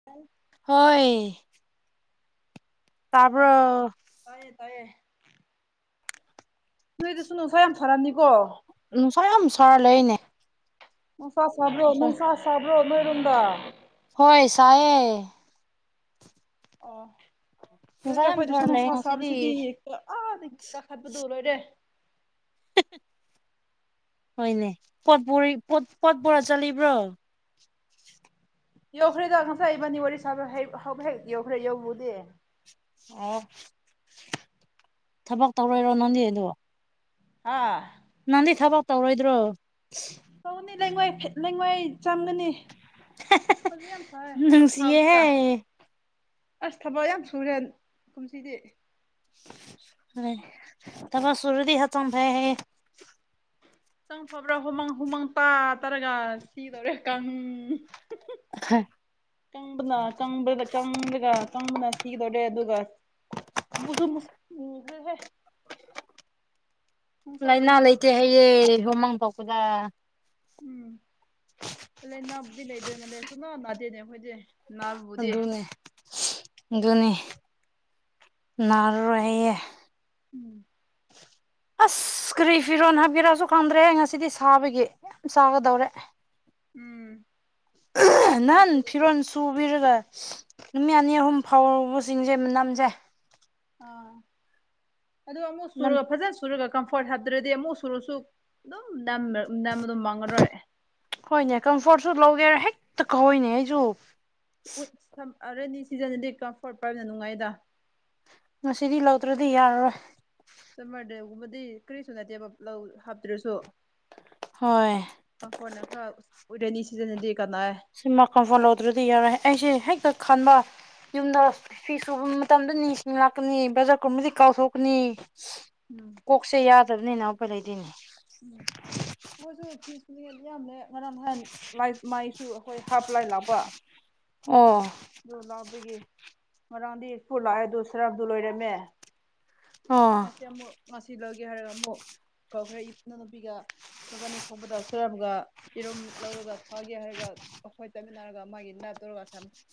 [inaudible] ꯍꯣꯏ ꯍꯣꯏ ꯇꯥꯕ꯭ꯔꫭ ꯇꯥꯏꯌꯦ ꯇꯥꯏꯌꯦ ꯅꯣꯏꯗꯁꯨ ꯅꯨꯡꯁꯥ ꯌꯥꯝ ꯁꯥꯔꯝꯅꯤꯀꯣ ꯅꯨꯡꯁꯥ ꯌꯥꯝ ꯁꯥꯔ ꯂꯩꯔꯤꯅꯦ ꯅꯨꯡꯁꯥ ꯁꯥꯕ꯭ꯔꯣ ꯅꯨꯡꯁꯥ ꯁꯥꯕ꯭ꯔꯣ ꯅꯣꯏꯔꫭꯝꯗ ꯍꯣꯏ ꯁꯥꯏꯌꯦ ꯑꯣ ꯅꯨꯡꯁꯥ ꯂꯥꯏꯔꯦ ꯌꯥꯝ ꯁꯥꯔ ꯑꯩꯈꯣꯏꯗꯁꯨꯨ ꯂꯩ ꯅꯨꯡꯁꯥ ꯉꯁꯤꯗꯤ ꯁꯥꯕꯁꯤꯗꯤ [unintelligible] ꯑꯥꯗꯒꯤ ꯀꯥꯈꯠꯄꯗꯨ ꯂꯣꯏꯔꯦ [unintelligible] ꯍꯣꯏꯅꯦ ꯄꯣꯠ ꯄꯨꯔꯤ ꯄꫭꯠ ꯄꯨꯔ ꯆꯠꯂꯤꯕ꯭ꯔꯣ ꯌꯧꯈ꯭ꯔꯦꯗꯣ ꯉꯁ ꯏꯕꯅꯤ ꯋꯥꯔꯤ ꯁꯥꯕ ꯍꯦꯛ ꯍ ꯍꯦꯛ ꯌꯧꯈ꯭ꯔꯦ ꯌꯧꯕꯨꯗꯤ ꯑꯣ ꯊꯕꯛ ꯇꯧꯔꯣꯏꯔꯣ ꯅꯪꯅꯦꯗꯣ ꯑꯥ ꯅꯪꯗꯤ ꯊꯕꯛ ꯇꯧꯔꯣꯏꯗ꯭ꯔꯣ ꯇꯧꯅꯤ ꯂꯩꯉꯣꯏ ꯂꯩꯉꯣꯏ ꯆꯝꯒꯅꯤ ꯐꯁꯦ ꯀꯊꯥꯕ ꯅꯨꯡꯁꯤꯌꯦꯍꯦ ꯇ ꯑꯁ ꯊꯕꯛ ꯌꯥꯝ ꯁꯨꯔꯦꯟ ꯀꯨꯝꯁꯤꯗꯤ ꯍ ꯇ ꯁꯨꯔꯗꯤ ꯍꯁꯝꯗ ꯍꯌꯦ ꯛꯆꯪ ꯐꯕ꯭ꯔꯥ ꯍꯨꯃꯪ ꯍꯨꯃꯥꯡ ꯇꯥ ꯇꯔꯒ ꯁꯤ ꯇꯧꯔꯦ ꯀꯥꯡ ꯀꯪꯝꯕꯗ ꯀꯪꯝꯕ ꯀꯪꯗꯒ ꯀꯪꯗꯅ ꯁꯤꯤꯗꯧꯔꯦ ꯑꯗꯨꯒ ꯃꯨꯁꯨꯨꯦ ꯅꯨꯡꯁꯥꯗ ꯂꯥꯏꯅꯥ ꯂꯩꯇꯦ ꯍꯌꯦꯦ ꯍꯨꯃꯥꯡ ꯄꯣꯛꯄꯗ ꯎꯝ ꯑ ꯂꯩꯅꯥꯕꯨꯗꯤ ꯂꯩꯗꯣꯏ ꯃꯥꯜꯂꯦ ꯁꯨꯅꯥ ꯅꯥꯗꯦꯅꯦ ꯑꯩꯈꯣꯏꯗꯤꯦ ꯑꯗꯨꯅꯤ ꯑꯗꯨꯅꯤ ꯅꯥꯔꯔꯣꯏꯌꯦ ꯎꯝ ꯑꯁ ꯀꯔꯤ ꯐꯤꯔꯣꯟ ꯍꯥꯏꯕꯤꯔꯛꯁꯨ ꯈꯪꯗ꯭ꯔꯦ ꯉꯁꯤꯗꯤ ꯁꯥꯕꯒꯤ ꯌꯥꯝ ꯆꯥꯒꯗꯧꯔꯦ ꯎꯝ ꯌꯥꯝ ꯁꯥꯏ ꯅꯍꯥꯟ ꯑꯩꯈꯣꯏꯗꯁꯨ ꯐꯤꯔꯣꯟ ꯆꯨꯕꯤꯔꯒ ꯅꯨꯃꯤꯠ ꯑꯅꯤ ꯑꯍꯨꯝ ꯐꯥꯎꯕꯁꯤꯡꯁꯦ ꯅꯝꯖꯩ ꯑꯥ ꯑꯗꯨ ꯑꯃꯨꯛ ꯁꯨꯔꯒ ꯐꯖꯅ ꯁꯨꯔꯒ ꯀꯝꯐꯣꯔꯠ ꯍꯥꯞꯇ꯭ꯔꯗꯤ ꯑꯃꯨꯛ ꯁꯨꯔꯁꯨ ꯑꯗꯨꯝꯗꯥꯝ ꯑꯗꯨꯝ ꯃꯥꯡꯉꯔꯣꯏ ꯍꯣꯏꯅꯦ ꯀꯝꯐꯣꯔꯠꯁꯨ ꯂꯧꯒꯦꯔꯥ ꯍꯦꯛꯇ ꯀꯧꯋꯏꯅꯦ ꯑꯩꯁꯨ ꯎꯠ ꯁꯝ ꯑꯔꯅꯤ ꯁꯤꯖꯤꯟꯅꯗꯦ ꯀꯝꯐꯣꯔꯠ ꯄꯥꯏꯕꯅ ꯅꯨꯡꯉꯥꯏꯗ ꯉꯁꯤꯗꯤ ꯂꯧꯗ꯭ꯔꯗꯤ ꯌꯥꯔꯔꯣꯏ ꯆꯃꯔꯗꯦꯒꯨꯝꯕꯗꯤ ꯀꯔꯤꯁꯨ ꯅꯠꯇꯦꯕ ꯂꯧ ꯍꯥꯞꯇ꯭ꯔꯁꯨ ꯍꯣꯏ ꯃꯐꯣꯟꯅ ꯈꯔ ꯑꯣꯏꯔꯅꯤ ꯁꯤꯖꯤꯟꯅꯗꯤꯦ ꯀꯅꯥ ꯁꯤ ꯃꯈꯟ ꯐꯣꯟꯍꯗ꯭ꯔꯗꯤ ꯌꯥꯔꯣꯏꯦ ꯑꯩꯁꯦ ꯍꯦꯛꯇ ꯈꯟꯕ ꯌꯨꯝꯗ ꯐꯤ ꯁꯨꯕ ꯃꯇꯝꯗ ꯅꯤꯡꯁꯤꯡꯅ ꯂꯥꯛꯀꯅꯤ ꯕꯖꯥꯔ ꯀꯨꯝꯕꯗꯤ ꯀꯥꯎꯊꯣꯛꯀꯅꯤ ꯎꯝ ꯀꯣꯛꯁꯦ ꯌꯥꯗꯕꯅꯤꯅ ꯑꯩꯈꯣꯏ ꯂꯩꯗꯣꯏꯅꯦ ꯎꯝ ꯀꯁꯨ ꯐꯤꯁ ꯐ ꯏꯅꯦ ꯉꯔꯥꯡ ꯅꯍꯥꯟ ꯃꯥꯏꯁꯨ ꯑꯩꯈꯣꯏ ꯍꯥꯞꯄ ꯂꯥꯏ ꯂꯥꯛꯄ ꯑꯣ ꯑꯗꯨ ꯂꯥꯛꯄꯒꯤ ꯃꯔꯥꯡꯗꯤꯄꯨ ꯂꯥꯛꯑꯦ ꯑꯗꯨ ꯁꯔꯞꯗꯨ ꯂꯣꯏꯔꯝꯃꯦ ꯑꯣ ꯁꯤ ꯑꯃꯨꯛ ꯉꯁꯤ ꯂꯧꯒꯦ ꯍꯥꯏꯔꯒ ꯑꯃꯨꯛ ꯀꯧꯈꯔꯦ ꯏꯄꯅꯨꯄꯤꯒ ꯊꯕ ꯑꯅꯤ ꯊꯣꯡꯕꯗ ꯁꯨꯔꯝꯒ ꯌꯦꯔꯨꯝ ꯂꯧꯔꯒ ꯐꯒꯦ ꯍꯥꯏꯔꯒ ꯑꯩꯈꯣꯏ ꯆꯠꯃꯤꯟꯅꯔꯒ ꯃꯥꯒꯤ ꯅꯠꯇꯨꯔꯒ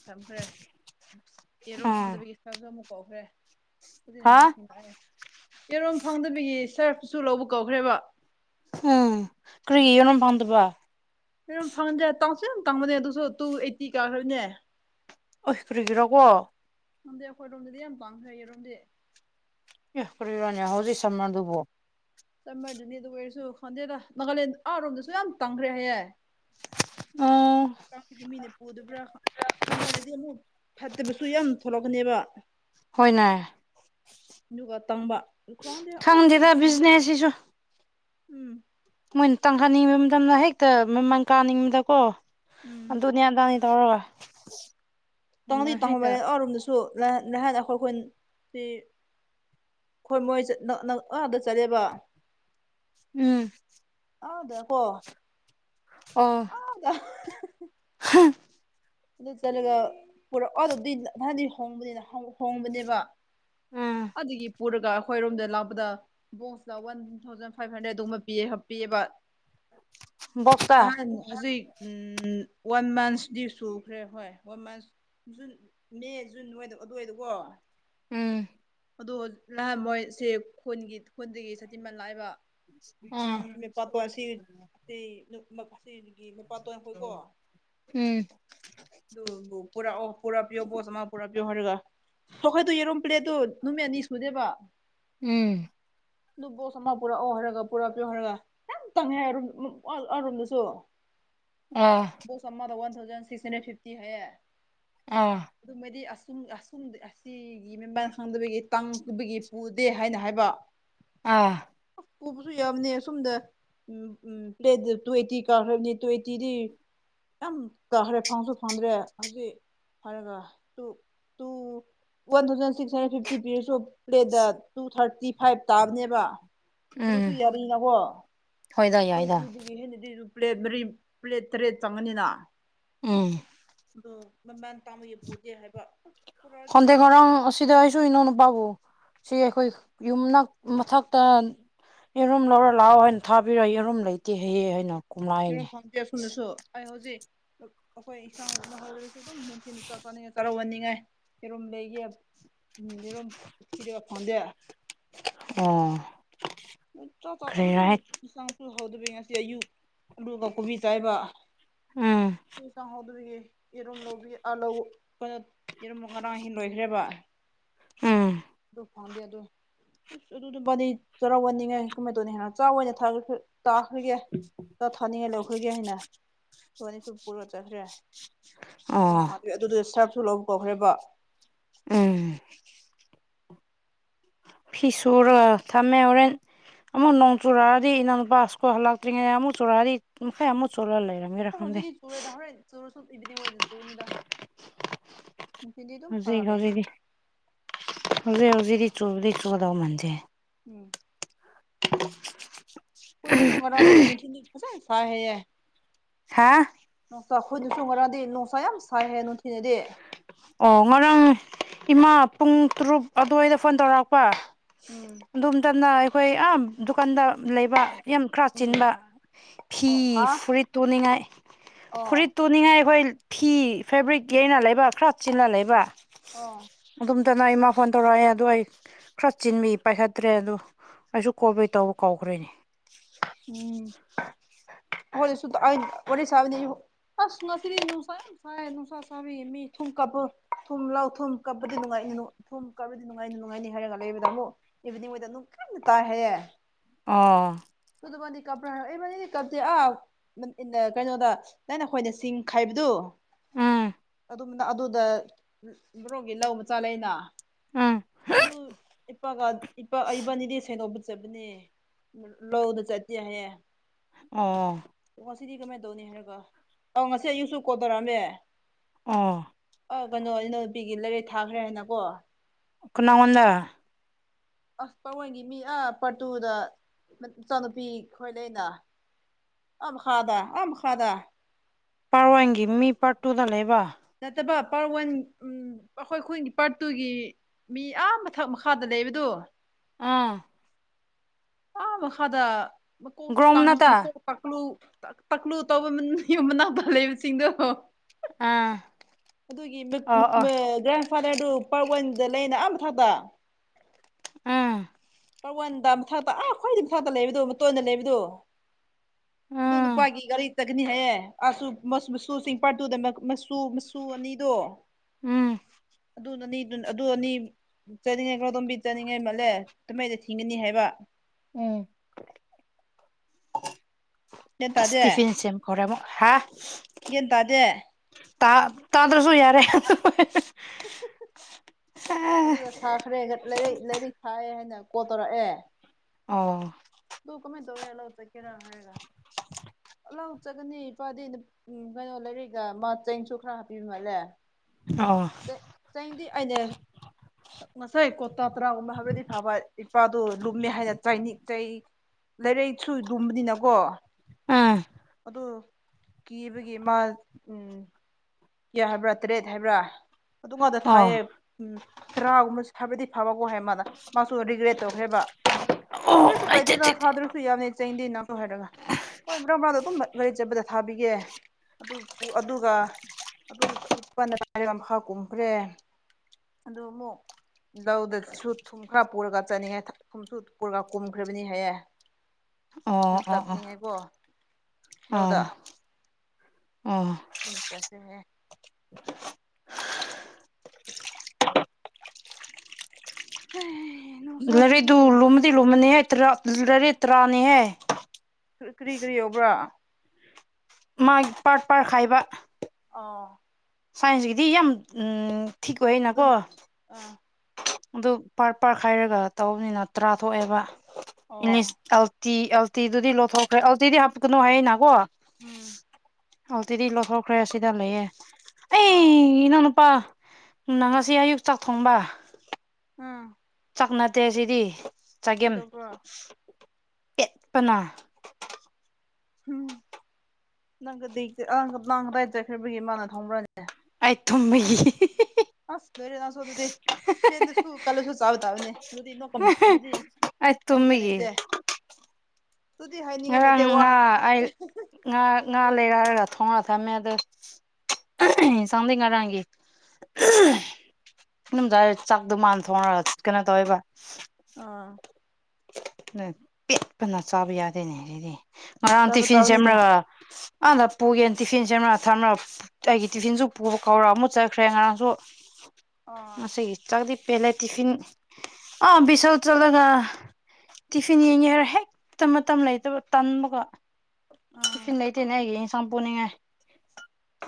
ꯊꯝꯈ꯭ꯔꯦ ꯑꯦꯔꯣꯝ ꯎꯝ ꯐꯪꯗꯕꯒꯤ ꯏꯁꯇꯥꯥꯏꯐꯁꯨ ꯑꯃꯨꯛ ꯀꯧꯈ꯭ꯔꯦ ꯁꯤꯅ ꯍꯥ ꯅꯤꯡꯁꯤꯡꯂꯛꯑꯦ ꯌꯦꯔꯣꯟ ꯐꯪꯗꯕꯤꯒꯤ ꯁꯔꯐꯁꯨ ꯂꯧꯕ ꯀꯧꯈ꯭ꯔꯦꯕ ꯎꯝ ꯀꯔꯤ ꯌꯅ ꯐꯪꯗꯕ ꯝ ꯐꯪꯉꯟꯗ꯭ꯔꯦ ꯇꯧꯁ ꯌꯥꯝ ꯇꯥꯡꯕꯅꯦ ꯑꯗꯨꯁꯨ ꯇꯨ ꯑꯩꯠꯇꯤ ꯀꯥꯈ꯭ꯔꯕꯅꯦ ꯑꯣꯏ ꯍ ꯀꯔꯤꯒꯤꯔꯣ ꯀꯣ ꯔꯣꯝꯗꯤ ꯑꯩꯈꯣꯏꯔꯣꯝꯗꯗꯤ ꯌꯥꯝ ꯄꯥꯡꯈ꯭ꯔꯑꯌꯦꯔꯣꯝꯗꯤ ꯏ ꯀ ꯔꯅꯤ ꯍꯧꯖꯤꯛ ꯁꯝꯅꯗꯨꯕꯨꯣ ꯆꯝꯃꯔꯗꯨꯅꯤ ꯑꯗꯨ ꯑꯣꯏꯔꯁꯨ ꯈꯟꯗꯦꯗ ꯅꯥꯒꯥꯂꯦꯟ ꯑꯥꯔꯣꯝꯗꯁꯨ ꯌꯥꯝ ꯇꯪꯈ꯭ꯔꯦ ꯍꯥꯏꯌꯦꯦ ꯑꯣ ꯀꯥꯒꯤ ꯃꯤꯅ ꯄꯨꯗꯕ꯭ꯔꯥ ꯅꯝꯕꯔꯗꯗꯤ ꯑꯃꯨꯛ ꯐꯠꯇꯅꯁꯨ ꯌꯥꯝ ꯊꯣꯛꯂꯛꯄꯅꯦꯕ ꯍꯣꯏꯅꯦ ꯑꯗꯨꯒ ꯇꯝꯕ ꯈꯪꯗꯦꯗ ꯕꯤꯖꯤꯅꯦꯁꯁꯤꯁꯨ ꯎꯝ ꯃꯣꯏꯅ ꯇꯥꯡꯍꯟꯅꯤꯡꯕ ꯃꯇꯝꯗ ꯍꯦꯛꯇ ꯃꯃꯜ ꯀꯥꯅꯤꯡꯕꯗꯀꯣ ꯎꯝ ꯑꯗꯨ ꯅ‌ꯦ ꯑꯗꯥꯅ‌ꯦ ꯇꯧꯔꯒ ꯇꯪꯗꯩ ꯃꯃꯜ ꯇꯧꯅꯕ ꯍꯦꯛꯇ ꯑꯣꯔꯣꯝꯗꯁꯨ ꯂꯥꯏ ꯂꯥꯏꯍꯥꯟ ꯑꯩꯈꯣꯏ ꯈꯨꯟ ꯁꯤ ꯑꯩꯈꯣꯏ ꯃꯣꯏ ꯆꯠ ꯅꯛ ꯅꯛ ꯑꯥꯗ ꯆꯠꯂꯦꯕ ꯎꯝ ꯑꯥꯎꯗ ꯀꯣ ꯑꯥ ꯑꯥꯗ [unintelligible] ꯑꯗꯨ ꯆꯠꯂꯒ ꯄꯨꯔꯛꯑꯣ ꯑꯗꯨꯗꯤ ꯅꯍꯟꯗꯤ ꯍꯣꯡꯕꯅꯤꯅ ꯍ‌ꯣꯡꯍꯣꯡꯕꯅꯦꯕ ꯎꯝ ꯑꯗꯨꯒꯤ ꯄꯨꯔꯒ ꯑꯩꯈꯣꯏꯔꯣꯝꯗ ꯂꯥꯛꯄꯗ ꯕꯣꯛꯁ ꯂꯧꯋꯟ ꯇꯨ ꯊꯥꯎꯖꯟ ꯐꯥꯏꯚ ꯍꯟꯗ꯭ꯔꯦꯗ ꯑꯗꯨꯨꯝꯕ ꯄꯤ ꯄꯤꯕ ꯕꯣꯛꯁꯇ ꯅꯍꯥꯟ ꯍꯧꯖꯤꯛ ꯎꯝ ꯋꯥꯟ ꯃꯟꯁꯗꯨꯁꯨ ꯈ꯭ꯔꯦ ꯍꯣꯏ ꯍꯣꯏ ꯃꯁ ꯖꯨꯟ ꯃꯦ ꯖꯨꯟꯍ‌ꯣꯏꯗ ꯑꯗꯨꯋꯥꯏꯗꯀꯣ ꯎꯝ ꯑꯗꯣ ꯂꯥꯍꯟ ꯃꯣꯏꯁꯦ ꯈꯨꯟꯒꯤ ꯈꯨꯟꯗꯒꯤ ꯁꯇꯤꯃꯜ ꯂꯥꯛꯑꯦꯕ ꯑꯥ [inaudible] ꯑꯩꯈꯣꯏꯀꯣ ꯎꯝ ꯗꯨꯕꯨ ꯄꯨꯔꯛꯑꯣ ꯄꯨꯔꯛꯄꯤꯌꯣ ꯕꯛꯣꯁ ꯑꯃꯥ ꯄꯨꯔꯛꯄꯤꯌ‌ꯣ ꯍꯥꯏꯔꯒꯥ ꯍ‌ꯣꯍ‌ꯣ ꯗꯨ ꯌꯦꯔꯨꯝ ꯄ꯭ꯂꯦꯗꯣ ꯅꯨꯃꯤꯠ ꯑꯅꯤ ꯁꯨꯗꯦꯕ ꯎꯝ ꯑꯗꯨ ꯕꯣꯛꯁ ꯑꯃꯥ ꯄꯨꯔꯛꯑꯣ ꯄꯨꯔꯛꯄꯤꯑꯣ ꯍꯥꯏꯔꯒꯥ ꯄꯨꯔꯛꯄꯤꯌ‌ꯣ ꯍꯥꯏꯔꯒ ꯌꯥꯝ ꯇꯪꯉꯦ [unintelligible] ꯑꯔꯣꯝꯗꯁꯨ ꯑꯥ ꯕ‌ꯣꯛꯁ ꯑꯃꯗ one thousand six hundred fifty ꯍꯥꯏꯌ‌ꯦ ꯑꯥ ꯑꯗꯨ ꯃ‌ꯣꯏꯗꯤ ꯑꯁꯨꯝ ꯑꯁꯨꯝ ꯑꯁꯤ ꯁꯤꯒꯤ ꯃꯦꯝꯕꯥꯥꯟ ꯈꯪꯗꯕꯒꯤ ꯇꯥꯡꯕꯒꯤ ꯄꯨꯗꯦ ꯍꯥꯏꯅ ꯍꯥꯏꯕ ꯑꯥ ꯄꯨꯕꯁꯨ ꯌꯥꯝꯅꯦ ꯑꯁꯣꯝꯗ ꯎ ꯎꯝ ꯇꯨꯋꯦꯟꯇꯤ ꯀꯥꯈ꯭ꯔꯗꯤ ꯇꯨ ꯑꯩꯠꯇꯤꯗꯤ ꯌꯥꯝ ꯀꯥꯈ꯭ꯔꯦ [unintelligible] ꯐꯥꯡꯗ꯭ꯔꯦ ꯍꯧꯖꯤꯛ ꯍꯥꯏꯔꯒ two two one thousand six hundred fifty ꯄꯤꯔꯁꯨ ꯄ꯭ꯂꯦꯠꯗ ꯇꯨ ꯊꯥꯔꯇꯤ ꯐꯥꯏꯚ ꯇꯥꯕꯅꯦꯕ ꯑꯗꯨꯁꯨ ꯎꯝ ꯌꯥꯔꯤꯅꯀꯣ ꯍꯣꯏꯗ ꯌꯥꯏꯗ ꯇꯨꯑꯩꯠꯇꯤꯗꯩ ꯗꯒꯤ ꯍꯦꯟꯅꯗꯤ [unintelligible] ꯄ꯭ꯂꯦꯠ ꯃꯔꯤ ꯄ꯭ꯂꯦꯠ ꯇꯔꯦꯠ ꯆꯪꯉꯅꯤꯅ ꯎꯝ ꯑꯗ‌ꯣ ꯃꯃꯥꯟ ꯇꯥꯡꯕꯒꯤ ꯄꯨꯗꯦ ꯍꯥꯏꯕ ꯄꯨꯔꯗꯤ ꯐꯕꯀ‌ꯣ ꯁꯤꯗ ꯑꯩꯁꯨ ꯏꯅꯥꯎꯅꯨꯄꯥꯕꯨ ꯁꯤ ꯑꯩꯈꯣꯏ ꯌꯨꯝ ꯅꯛ ꯃꯊꯛꯇ ꯌꯦꯔꯨꯝ ꯂꯧꯔ ꯂꯥꯛꯑꯣ ꯍꯥꯏꯅ ꯊꯥꯕꯤꯔ ꯑꯩ ꯌꯦꯔꯨꯝ ꯂꯩꯇꯦ ꯍꯥꯏꯌꯦ ꯍꯥꯏꯅ ꯀꯨꯝꯂꯥꯏꯅꯦ ꯌ‌ꯦꯔꯣꯝ ꯐꯪꯗꯦ ꯑꯁꯣꯝꯗꯁꯨ ꯑꯩ ꯍꯧꯖꯤꯛ ꯑꯩꯈꯣꯏ ꯏꯟꯁꯥꯡ ꯂꯧꯍꯧꯗ꯭ꯔꯁꯨ ꯑꯗꯨꯝ ꯅꯨꯡꯊꯤꯟꯗ ꯆꯥ ꯆꯥꯅꯤꯡꯉꯥꯏ ꯆꯔꯥ ꯋꯥꯟꯅꯤꯡꯉꯥꯏ ꯌꯦꯔꯨꯝ ꯂꯩꯌ‌ꯦ ꯎꯝ ꯌ‌ꯩꯔꯨꯝ ꯄꯤꯔꯛ ꯐꯪꯗꯦ ꯑꯣ ꯆꯥꯛ ꯆ ꯀꯔꯤꯔ ꯑꯗꯨꯗꯤ ꯍꯥꯏ ꯏꯟꯁꯥꯡꯁꯨ ꯂꯧꯍꯧꯗꯕꯩ ꯉꯁꯤ ꯑꯌꯨꯛ ꯑꯂꯨꯒ ꯀꯣꯕꯤ ꯆꯥꯏꯕ ꯎꯝ ꯏꯟꯁꯥꯡ ꯍꯥꯎꯗꯕꯒꯤ ꯌ‌ꯦꯔꯨꯝ ꯂꯧꯕꯤ ꯑꯂꯧ ꯄꯠ ꯌꯦꯔꯨꯝꯃꯨꯛ ꯉꯔꯥꯡ ꯍꯤꯡ ꯂꯣꯏꯈ꯭ꯔꯦꯕ ꯎꯝ ꯗꯨ ꯄꯥꯝꯗꯦ ꯑꯗꯨ ꯏꯁ ꯑꯗꯨꯗꯨꯕꯥꯅꯤ ꯆꯔꯥꯎꯒꯟꯅꯤꯉꯥꯏ ꯀꯃꯥꯏ ꯇꯧꯅꯤ ꯍꯦꯟꯅ ꯆꯥꯛ ꯑꯣꯏꯅ ꯊꯥ ꯇꯥꯈ꯭ꯔꯒꯦ [inaudible] ꯆ ꯊꯥꯅꯤꯡꯉꯥꯏ ꯂꯧꯈ꯭ꯔꯒꯦ ꯍꯥꯏꯅ ꯑꯅꯤꯗꯨ ꯄꯨꯔꯒ ꯆꯠꯈ꯭ꯔꯦ ꯑꯣ ꯑꯗꯨꯗ ꯁꯔꯞ ꯂꯣꯢ ꯀꯧꯈ꯭ꯔꯦꯕ ꯎꯝ ꯐꯤ ꯁꯨꯔ ꯊꯝꯃꯦ ꯍꯨꯔꯦꯟ ꯑꯃꯨꯛ ꯅꯣꯡ ꯆꯨꯔꯛꯑꯗꯤ ꯏꯅꯥꯎ ꯅꯨꯄꯥ ꯑꯀꯣ ꯍꯜꯂꯛꯇ꯭ꯔꯤꯉꯩ ꯑꯃꯨꯛ ꯆꯨꯔꯛꯑꯗꯤ ꯃꯈꯩ ꯑꯃꯨꯛ ꯆꯨꯔꯑꯒ ꯂꯩꯔꯒꯦ ꯍꯣꯏ ꯍꯧꯖꯤꯛꯇꯤ ꯆꯨꯔꯦꯗ ꯍꯣꯔꯦꯟ ꯆꯨꯔꯁꯨ ꯏꯚꯅꯤꯡ ꯋꯥꯢꯗ ꯆꯨꯅꯤꯗ ꯅꯨꯡꯊꯤꯟꯗꯤ ꯑꯗꯨꯝ ꯍꯧꯖꯤꯛ ꯁꯥꯔꯛꯂꯦꯅꯦ ꯍꯧꯖꯤꯗꯤ ꯍꯧꯖꯤꯛ ꯍꯧꯖꯤꯗꯤ ꯆꯨꯩꯕꯗꯤ ꯆꯨꯗꯧ ꯃꯥꯟꯗꯦ ꯎꯝ [unintelligible] ꯍꯣꯏꯅꯁꯨꯨꯝ ꯉꯔꯥꯡꯗꯤ ꯅꯨꯡꯊꯤꯟꯗꯤ ꯐꯖꯅ ꯁꯥꯏꯍꯥꯢꯌꯦ [inaudible] ꯅꯨꯡꯁꯥ ꯑꯩꯈꯣꯏꯗ ꯆꯣꯡꯉꯔꯛꯑꯗꯤ ꯅꯨꯡꯁꯥ ꯌꯥꯝ ꯁꯥꯏ ꯍꯥꯏꯦꯅ ꯅꯨꯡꯊꯤꯅꯗꯤ ꯑꯣ ꯉꯔꯥꯡ ꯏꯃꯥ ꯄꯨꯡ ꯇꯔꯨꯛ ꯑꯗꯨꯋꯥꯏꯗ ꯐꯣꯟ ꯇꯧꯔꯛꯄ ꯎꯝ ꯑꯗꯣꯝꯇꯅ ꯑꯩꯈꯣꯏ ꯑꯤ ꯗꯨꯀꯥꯟꯗ ꯂꯩꯕ ꯌꯥꯝ ꯈꯔ ꯎꯝ ꯆꯤꯟꯕ ꯐꯤ ꯑꯣ ꯍꯥ ꯐꯨꯔꯤꯠ ꯇꯨꯅꯤꯡꯉꯥꯏ ꯑꯣ ꯐꯨꯔꯤꯠ ꯇꯨꯅꯤꯡꯉꯥꯏ ꯑꯩꯈꯣꯏ ꯐꯤ ꯐꯦꯕ꯭ꯔꯤꯛ ꯌꯩꯅ ꯂꯩꯕ ꯈꯔ ꯆꯤꯟꯅ ꯂꯩꯕ ꯑꯣ ꯑꯗꯨ ꯃꯇꯅ ꯑꯩ ꯏꯃꯥ ꯐꯣꯟ ꯇꯧꯔꯛꯑꯦ ꯑꯗꯣ ꯑꯩ ꯈꯔ ꯆꯤꯟꯕꯤ ꯄꯥꯏꯈꯠꯇ꯭ꯔꯦ ꯑꯗꯨꯗ ꯑꯩꯁꯨ ꯀꯣꯜ ꯕꯦꯛ ꯇꯧꯕ ꯀꯥꯎꯈ꯭ꯔꯦꯅꯦ ꯎꯝꯁꯨ ꯑꯣ ꯁꯥꯕꯅꯤ ꯑꯁ ꯉꯁꯤꯗꯤ ꯅꯨꯡꯁꯥ ꯌꯥꯝ ꯅꯨꯡꯁꯥꯏ ꯅꯨꯡꯁꯥ ꯁꯥꯕꯤꯌꯦ ꯃꯤ ꯊꯨꯝ ꯀꯥꯄ ꯊꯨꯝ ꯂꯥꯛꯑꯣ ꯊꯨꯝ ꯀꯞꯄꯗꯤ ꯅꯨꯡꯉꯥꯏ ꯊꯨꯝ ꯀꯄ ꯅꯨꯡꯉꯥꯏꯅꯤ ꯅꯨꯡꯉꯥꯏꯅꯤ ꯍꯥꯏꯔꯒ ꯂꯩꯕꯗ ꯑꯃꯨꯛ ꯏꯚꯅꯤꯡꯉꯣꯏꯗ ꯅꯨꯡ ꯀꯟꯅ ꯇꯥꯏ ꯍꯥꯏꯌꯦ ꯑꯥꯎ ꯀꯗ ꯃꯥꯗꯤ ꯀꯄꯔ ꯑꯩ ꯕꯥꯅꯤꯗꯤ ꯀꯞꯇꯦ ꯑꯥ ꯀꯩꯅꯣꯗ ꯅꯪ ꯅ ꯑꯩꯈꯣꯏꯅ ꯁꯤꯡ ꯈꯥꯏꯕꯗꯨ ꯎꯝ ꯑꯗꯨꯅ ꯑꯗꯨꯗ ꯕ꯭ꯔꯣꯒꯤ ꯂꯧ ꯃꯆꯥ ꯂꯩꯌꯦꯅ ꯎꯝ ꯑꯗꯨ ꯏꯄꯥꯒ ꯏꯕꯥꯅꯤꯗꯤ ꯁꯦꯡꯗꯣꯛꯄ ꯆꯠꯄꯅꯦ ꯂꯧꯗ ꯆꯠꯗꯤ ꯍꯥꯏꯌꯦ ꯑꯥ ꯑꯣ ꯉꯁꯤꯗꯤ ꯀꯃꯥꯏꯅ ꯇꯧꯅꯤ ꯍꯥꯏꯔꯒ ꯑꯧ ꯉꯁꯤ ꯑꯌꯨꯛꯁꯨ ꯀꯣꯜ ꯇꯧꯔꯛꯑꯝꯃꯦ ꯑꯥ ꯑ ꯀꯩꯅꯣ ꯅ ꯅꯨꯄꯤꯒꯤ ꯂꯩꯔ ꯊꯥꯈ꯭ꯔꯦ ꯍꯥꯏꯅꯀꯣ [unintelligible] ꯑꯁ ꯇꯋꯣꯏꯒꯤ ꯃꯤ ꯑꯥ ꯄꯔꯇꯨꯗ ꯃꯆꯥꯅꯨꯄꯤ ꯈꯔ ꯂꯩꯌꯦꯅ ꯑꯥ ꯃꯈꯥꯗ ꯑꯥ ꯃꯈꯥꯗ ꯄꯥꯔꯋꯦꯟꯒꯤ ꯃꯤ ꯄꯥꯔꯠ ꯇꯨꯗ ꯂꯩꯕ ꯅꯠꯇꯕ ꯄꯥꯔꯠ ꯋꯥꯟ ꯑꯩꯈꯣꯏ ꯈꯨꯟꯒꯤ ꯄꯥꯔꯠ ꯇꯨꯒꯤ ꯃꯤ ꯑꯥ ꯃꯊꯛ ꯃꯈꯥꯗ ꯂꯩꯕꯗꯣ ꯑꯥ ꯑꯥ ꯃꯈꯥꯗ ꯃꯀꯣꯛ ꯇꯥꯡ ꯒ꯭ꯔꯣꯝꯅꯇ ꯃꯀꯣꯛ ꯄꯥꯛꯂꯨ ꯇꯛꯂꯨ ꯇꯧꯕ ꯌꯨꯝ ꯃꯅꯥꯎꯄꯥ ꯂꯩꯕꯁꯤꯡꯗꯣ ꯑꯥ ꯑꯗꯨꯒꯤ ꯑꯣ ꯑꯣ ꯒ꯭ꯔꯥꯟꯐꯥꯗꯔꯗꯨ ꯄꯥꯔꯠ ꯋꯥꯟꯗ ꯂꯩꯌꯦꯅ ꯑ ꯃꯈꯥꯗ ꯑꯝ ꯄꯔ ꯋꯥꯟꯗ ꯃꯊꯛꯇ ꯑꯥ ꯈ꯭ꯋꯥꯏꯗꯒꯤ ꯃꯊꯥꯛꯇ ꯂꯩꯕꯗꯣ ꯃꯇꯣꯟꯗ ꯂꯩꯕꯗꯣ ꯑꯗꯨ ꯎꯝ ꯅꯨꯄꯥꯒꯤ ꯒꯥꯔꯤ ꯆꯒꯅꯤ ꯍꯥꯏꯌꯦ ꯑꯥꯁꯨ ꯃꯆꯨ ꯆꯤꯡ ꯄꯥꯠꯇꯨꯗ ꯃꯆꯨ ꯃꯆꯨ ꯑꯅꯤꯗꯣ ꯎꯝ ꯑꯗꯨꯅꯅꯤ ꯑꯗꯨ ꯑꯅꯤ ꯆꯠꯅꯤꯡꯉꯩ ꯀ꯭ꯔꯥꯗꯣꯝꯕꯤ [inaudible] ꯆꯠꯅꯤꯡꯉꯩ ꯃꯥꯜꯂꯦ ꯑꯗꯨꯃꯩꯗ ꯊꯤꯡꯒꯅꯤ ꯍꯥꯏꯕ ꯒ꯭ꯌꯥꯟ ꯇꯥꯗꯦ ꯎꯝꯁꯇꯤꯐꯤꯟ ꯁ [inaudible] ꯈꯔ ꯑꯃꯨ ꯍꯥꯥ [inaudible] ꯒꯌꯥꯟ ꯇꯥꯗꯦ ꯇꯥꯗ꯭ꯔꯁꯨ ꯌꯥꯔꯦ ꯑꯗꯨꯗ ꯊꯥꯈ꯭ꯔꯦꯔ ꯂꯩꯔꯤꯛ ꯂꯩꯔꯤꯛ ꯊꯥꯏꯑꯦ ꯍꯥꯏꯅ ꯀꯣꯜ ꯇꯧꯔꯛꯑꯦ ꯑꯣ ꯑꯗꯨ ꯀꯃꯗꯧꯦ ꯑꯂꯒ ꯆ ꯀꯦꯔꯥ ꯍꯥꯏꯒ ꯑ [inaudible] ꯆꯠꯒꯅꯤ ꯏꯄꯥꯗꯤ ꯎ ꯀꯩꯅꯣ ꯂꯩꯔꯤꯛ ꯃꯥ ꯆꯦꯡꯁꯨ ꯈꯔ ꯍꯥꯞꯄ ꯃꯜꯂꯦ ꯑꯥ ꯀꯗꯤ ꯑꯩꯅ [inaudible] ꯉꯁꯥꯏ ꯀꯣꯇꯥ ꯇꯔꯥꯒꯨꯝꯕ ꯍꯥꯏꯕꯗꯤ ꯐꯕ ꯏꯄꯥꯗꯨ ꯂꯨꯝꯃꯦ ꯍꯥꯏꯅ ꯆꯥꯏꯅꯤꯡ ꯆꯩ ꯂꯥꯢꯔꯤꯛ ꯁꯨ ꯂꯨꯝꯕꯅꯤꯅꯀꯣ ꯎꯝ ꯑꯗꯨ ꯀꯤꯕꯒꯤ ꯃꯥ ꯎꯝ ꯌꯥꯏ ꯍꯥꯏꯕ꯭ꯔꯥ ꯇꯔꯦꯠ ꯍꯥꯏꯕ꯭ꯔꯥ ꯑꯗꯨ ꯉꯥꯛꯇ ꯑꯣ ꯑꯣ ꯊꯥꯏꯌꯦ ꯎꯝ ꯇꯔꯥꯒꯨꯝꯕꯁꯨ ꯊꯕꯗꯤ ꯐꯕꯀꯣ ꯍꯥꯏ ꯃꯥꯅ ꯃꯥꯁꯨ ꯔꯤꯒ꯭ꯔꯦꯠ ꯇꯧꯈ꯭ꯔꯦꯕ ꯑꯁ ꯀꯩꯁꯨ ꯀꯩꯗꯦꯗ ꯊꯥꯗꯔꯤ ꯑꯗꯨ ꯌꯥꯅꯤ ꯆꯩ [inaudible] ꯗꯦ ꯅꯅꯥꯁꯨꯧ ꯍꯥꯏꯔꯒ ꯍꯣꯏ ꯕ꯭ꯔꯥ ꯕ꯭ꯔꯥꯗꯣ ꯑꯗꯨꯝ ꯒꯥꯔꯤ ꯆꯠꯄꯗ ꯊꯥꯕꯤꯒꯦ ꯑꯗꯨ ꯑꯣ ꯑꯗꯨꯒ ꯑꯗꯨ ꯄꯥꯏꯔꯒ ꯃꯈꯥ ꯀꯨꯝꯈ꯭ꯔꯦ ꯑꯗꯨ ꯑꯃꯨꯛ ꯂꯧꯗꯁꯨꯨ ꯊꯨꯝ ꯈꯔ ꯄꯨꯔꯒ ꯆꯠꯅꯤꯡꯉꯥꯏ ꯊꯨꯝꯁꯨ ꯄꯨꯔꯒ ꯀꯨꯝꯈ꯭ꯔꯕꯅꯤ ꯍꯥꯏꯌꯦ ꯑꯣ ꯁꯨꯝ ꯑꯣ ꯆꯠꯅꯤꯡꯉꯦ ꯀꯣ ꯂꯧꯗ ꯑꯥ ꯊꯝ ꯆꯁꯤꯦ [inaudible] ꯍ [inaudible] ꯂꯥꯏꯔꯤꯛꯗꯨ ꯂꯨꯝꯕꯗꯤ ꯂꯨꯝꯃꯅꯤ ꯍꯩ ꯂꯥꯏꯔꯤꯛꯇꯨ ꯇꯔꯥꯅꯤꯍꯦ ꯀꯔꯤ ꯀꯔꯤ ꯌꯧꯕ꯭ꯔꯥ ꯃꯥꯢ ꯄꯥꯛꯄ ꯈꯥꯏꯕ ꯑꯥ ꯁꯥꯏꯟꯁꯀꯤꯗꯤ ꯌꯥꯝ ꯊꯤꯛ ꯑꯣꯏꯅꯀꯣ ꯑꯗꯨꯅꯦ ꯑꯥ ꯑꯗꯨ ꯄꯥꯔ ꯄꯥꯔ ꯈꯥꯏꯔꯒ ꯇꯧꯕꯅꯤꯅ ꯇꯧꯔꯥ ꯊꯣꯛꯑꯦꯕ ꯑꯣ ꯏꯪꯂꯤꯁ ꯇꯤ ꯑꯜꯇꯤꯗꯨꯗꯤ ꯂꯧꯊꯣꯛꯈ꯭ꯔꯦ ꯑꯜꯇꯤꯗꯤ ꯍꯥꯞꯀꯅꯨ ꯍꯥꯏꯑꯦꯅꯀꯣ ꯎꯝ ꯑꯟꯇꯤꯗꯤ ꯂꯧꯊꯣꯛꯈ꯭ꯔꯦ ꯁꯤꯗ ꯂꯩꯌꯦ ꯑꯥ ꯑꯩ ꯏꯅꯥꯎꯅꯨꯄꯥꯅ ꯉꯁꯤ ꯑꯌꯨꯛ ꯆꯥꯛ ꯊꯣꯡꯕ ꯎꯝ ꯆꯥꯛ ꯅꯠꯗꯦ ꯁꯤꯗꯤ ꯆꯒꯦꯝ ꯀꯩꯗꯧꯕ꯭ꯔꯣ ꯄꯦꯠꯄꯅ ꯎꯝ ꯅꯪꯒꯗꯤ ꯅꯪ ꯀꯗꯥꯏ ꯆꯠꯈ꯭ꯔꯕꯒꯤ ꯃꯥꯅ ꯊꯣꯡꯕ꯭ꯔꯅꯦ ꯑꯩ ꯇꯨꯝꯕꯒꯤ ꯑꯁ ꯂꯣꯏꯔꯦꯗ ꯅꯪꯁꯨ ꯑꯗꯨꯗꯤ ꯄꯦꯠꯂꯁꯨ ꯀꯜꯂꯁꯨ ꯆꯥꯕ ꯇꯥꯕꯅꯦ ꯑꯗꯨꯗꯤ ꯅꯣꯛꯀꯅꯨ ꯑꯩ ꯍꯥꯏꯅꯤꯡꯉꯥꯏ ꯇꯨꯝꯕꯒꯤ ꯂꯩꯇꯦ ꯑꯗꯨꯨꯗꯤ ꯍꯥꯏꯅꯤꯡꯉꯥꯏ ꯂꯩꯇꯦ ꯉꯔꯥꯡ ꯋꯥ ꯉꯥ ꯍꯥꯏꯅꯤꯡꯉꯥꯏ ꯑꯩ ꯂꯩꯇꯦ ꯉꯥ ꯉꯥ ꯂꯩꯔꯔꯒ ꯊꯣꯡꯉꯒ ꯊꯝꯃꯦ ꯑꯗꯣ ꯌꯦꯡꯁꯥꯡꯗꯤ ꯉꯔꯥꯡꯒꯤ [unintelligible] ꯀꯝ [inaudible] ꯗ ꯆꯥꯛꯇꯣ ꯃꯥꯟ ꯊꯣꯡꯉꯒ ꯀꯩꯅꯣ ꯇꯧꯋꯦꯕ ꯑꯥ ꯄꯦꯠꯄꯅ ꯆꯥꯕ ꯌꯥꯗꯦꯅꯦ ꯍꯥꯏꯗꯤ ꯉꯔꯥꯡ ꯆꯥꯕ ꯇꯤꯐꯤꯟ ꯇꯥꯕꯅꯤꯅꯦ ꯁꯦꯝꯃꯔꯒ ꯃꯥꯅꯄꯨꯒꯦ ꯇꯤꯐꯤꯟ ꯁꯝꯃ ꯊꯝꯃ ꯑꯩꯒꯤ ꯇꯤꯐꯤꯟꯁꯨ ꯄꯨꯕ ꯀꯧꯔꯒ ꯑꯃꯨꯛ ꯆꯠꯈ꯭ꯔꯦ ꯉꯔꯥꯡꯁꯨ ꯑꯥ ꯉꯁꯤꯒꯤ ꯆꯛꯗꯤ ꯄꯦꯟꯂꯦ ꯇꯤꯐꯤꯟ ꯑ ꯕꯤꯁꯜ ꯆꯂꯒ ꯇꯤꯐꯤꯟ ꯌꯦꯡꯉꯦ ꯍꯥꯏꯔ ꯍꯦꯛꯇ ꯃꯇꯝ ꯂꯩꯇꯕ ꯇꯟꯕꯒ ꯑ ꯇꯤꯐꯤꯟ ꯂꯩꯇꯦꯅꯦ ꯑꯩꯒꯤ ꯏꯟꯁꯥꯝ ꯄꯨꯅꯤꯡꯉꯥꯏ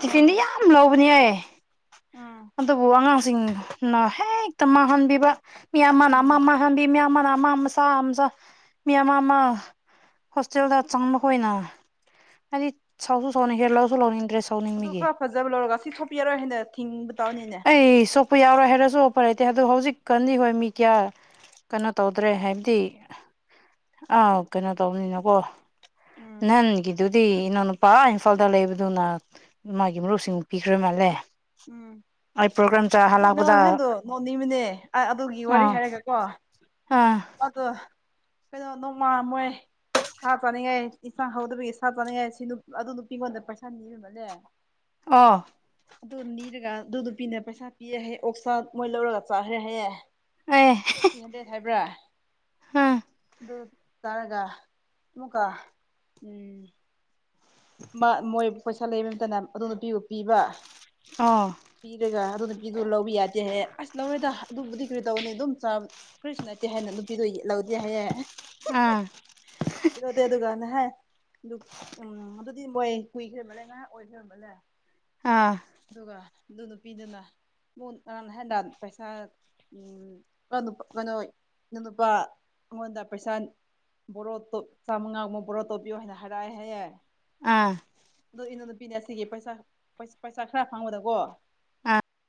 ꯇꯤꯐꯤꯟꯗꯤ ꯌꯥꯝ ꯂꯧꯕꯅꯤꯍ ꯎꯝ ꯑꯗꯨꯕꯨ ꯑꯉꯥꯡꯁꯤꯡꯅ ꯍꯦꯛꯇ ꯃꯥꯡꯍꯟꯕꯤꯕ ꯃꯤ ꯑꯃꯅ ꯎꯝ ꯑꯃ ꯑꯃ ꯍꯥꯟꯕꯤ ꯃꯤ ꯑꯃꯅ ꯑꯃ ꯑꯃꯆꯥ ꯑꯃꯆꯥ ꯃꯤ ꯑꯃ ꯑꯃ ꯍꯣꯁꯇꯦꯜꯗ ꯆꯪꯕ ꯑꯣꯏꯅ ꯍꯥꯏꯗꯤ ꯆꯥꯎꯁꯨ ꯆꯥꯎꯅꯤ ꯍꯦꯟꯂꯒꯁꯨ ꯂꯧꯅꯤꯡꯗꯔꯁꯨ ꯑꯗꯨ ꯈꯔ ꯐꯖꯕ ꯂꯧꯔꯒ ꯁꯤ ꯊꯣꯛꯄꯤ ꯌꯥꯔꯣꯏ ꯍꯥꯏꯅ ꯊꯤꯡꯕ ꯇꯥꯅꯤꯅꯦ ꯑꯦꯁꯦꯛ ꯑꯣꯄ ꯌꯥꯎꯔꯣꯏ ꯍꯥꯏꯔꯁꯨ ꯑꯣꯄꯔ ꯂꯩꯇꯦ ꯑꯗꯣ ꯍꯧꯖꯤꯛ ꯀꯥꯟꯗꯤ ꯍꯣꯏ ꯃꯤ ꯀꯌꯥ ꯀꯩꯅꯣ ꯇꯧꯗ꯭ꯔꯦ ꯍꯥꯏꯕꯗꯤ ꯑꯥ ꯀꯩꯅꯣ ꯇꯧꯕꯅꯤꯅꯀꯣ ꯎꯝ ꯅꯪꯒꯤꯗꯨꯗꯤ ꯅꯪꯅꯨꯄꯥ ꯏꯝꯐꯥꯜꯗ ꯂꯩꯕꯗꯨꯅ ꯃꯥꯒꯤ ꯃꯔꯨꯞꯁꯤꯡ ꯄꯤꯈ꯭ꯔ ꯃꯥꯜꯂꯦ ꯎꯝ ꯑꯩ ꯄ꯭ꯔꯣꯒ꯭ꯔꯥꯝ ꯆꯥ ꯑꯗꯨ [inaudible] ꯍꯜꯂꯛꯄꯗ ꯅꯍꯥꯟꯗꯣ ꯅꯣꯡ ꯅꯤꯃꯤꯅꯦ ꯑꯗꯨꯒꯤ ꯋꯥꯔꯤ ꯑꯥ ꯍꯥꯏꯔꯒ ꯀꯣ ꯑꯥ ꯑꯗꯣ ꯀꯩꯅꯣ ꯅꯣꯡꯃꯥꯃꯣꯏ ꯁꯥ ꯆꯥꯅꯤꯡꯉꯥꯏ ꯏꯟꯁꯥꯡ ꯍꯧꯗꯕꯒꯤ ꯁꯥ ꯆꯥꯅꯤꯡꯉꯥꯏ ꯁꯤ ꯑꯗꯨ ꯅꯨꯄꯤꯉꯣꯟꯗ ꯄꯩꯁꯥ ꯅꯤ ꯃꯅꯦ ꯑꯥ ꯑꯗꯨ ꯅꯤꯔꯒ ꯑꯗꯨ ꯅꯨꯄꯤꯅ ꯄꯩꯁꯥ ꯄꯤꯌꯦ ꯍꯥꯏꯌꯦ ꯑꯣꯛꯁꯥ ꯃꯣꯏ ꯂꯧꯔꯒ ꯆꯥꯈ꯭ꯔꯦ ꯍꯥꯏꯌꯦ ꯑꯦ [unintelligible] ꯊ꯭ꯔꯤ ꯍꯟꯗ꯭ꯔꯦꯗ ꯍꯥꯏꯕ꯭ꯔꯥ ꯍꯥꯥ ꯑꯗꯨ ꯇꯥꯔꯒ ꯑꯃꯨꯀ ꯎꯝ ꯃ ꯃꯣꯏ ꯄꯩꯁꯥ ꯂꯩꯕ ꯑꯃꯇꯅ ꯑꯗꯨ ꯅꯨꯄꯤꯕꯨ ꯄꯤꯕ ꯑꯥ ꯄꯤꯔꯒ ꯑꯗꯨ ꯅꯨꯄꯤꯗꯨ ꯂꯧꯕ ꯌꯥꯗꯦꯍꯦ ꯑꯁ ꯂꯧꯔꯦꯗ ꯑꯗꯨꯕꯨꯗꯤ ꯀꯔꯤ ꯇꯧꯅꯤ ꯑꯗꯨꯝ ꯀꯔꯤꯁꯨ ꯅꯠꯇꯦ ꯍꯥꯏꯅ ꯅꯨꯄꯤꯗꯣ ꯌꯦ ꯂꯧꯗꯦ ꯍꯥꯏꯌꯦ ꯑꯥ ꯑꯗꯨꯗꯤ ꯑꯗꯨꯀꯥꯟꯗ ꯍꯥꯏ ꯑꯗꯨꯗꯨ ꯎꯝ ꯑꯗꯨ ꯗꯤ ꯃꯣꯏ ꯀꯨꯏꯈ꯭ꯔꯕꯂꯦ ꯉꯥꯏꯍꯥꯛ ꯑꯣꯏꯈ꯭ꯔꯕꯂꯦ ꯑꯥ ꯑꯗꯨꯒ ꯑꯗꯨ ꯅꯨꯄꯤꯗꯨꯅ [inaudible] ꯅꯍꯦꯟꯗꯥ ꯄꯩꯁꯥ ꯎꯝ ꯎꯝ ꯀꯩꯅꯣ ꯅꯨꯄꯥ ꯑꯩꯉꯣꯟꯗ ꯄꯩꯁꯥ ꯕꯣꯔꯣꯇꯣ ꯆꯥꯝꯃꯉꯥꯒꯨꯕ ꯕꯣꯔꯣ ꯇꯧꯕꯤꯌꯣ ꯍꯥꯏꯅ ꯍꯥꯏꯔꯛꯑꯦ ꯍꯥꯏꯌꯦ ꯑꯥ ꯑꯗꯣ ꯏꯅꯣꯟ ꯅꯨꯄꯤꯅꯦ ꯑꯁꯤꯒꯤ ꯄꯩꯁꯥ ꯄꯩꯁꯥ ꯈꯔ ꯐꯪꯕꯗꯀꯣ ꯑꯥ